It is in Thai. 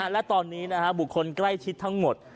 และตอนนี้บุคคลใกล้ชิดทั้งหมด